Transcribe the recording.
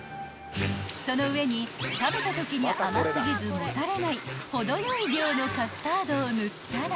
［その上に食べたときに甘過ぎずもたれない程よい量のカスタードを塗ったら］